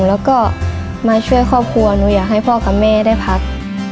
แล้วก็มาช่วยครอบครัวหนูอยากให้พ่อกับแม่ได้พัก